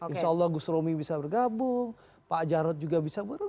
insya allah gus romi bisa bergabung pak jarod juga bisa buru